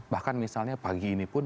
bahkan misalnya pagi ini pun